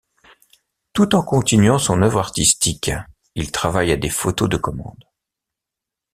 Tout en continuant son œuvre artistique, il travaille à des photos de commande.